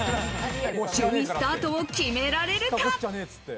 １０位スタートを決められるか。